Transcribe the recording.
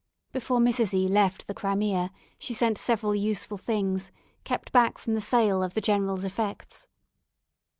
Before Mrs. E left the Crimea, she sent several useful things, kept back from the sale of the general's effects.